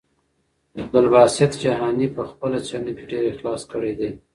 عبدالباسط جهاني په خپله څېړنه کې ډېر اخلاص کړی دی.